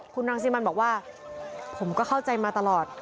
คุณรังสิมันบอกว่าผมก็เข้าใจมาตลอด